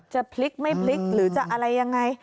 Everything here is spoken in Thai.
จะพลิกไม่พลิกหรือจะอะไรยังไง